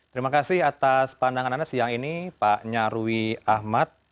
terima kasih atas pandangan anda siang ini pak nyarwi ahmad